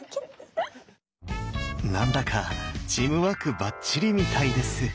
何だかチームワークばっちりみたいです。